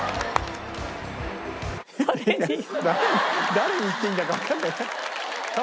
誰に言ってるんだかわかんない。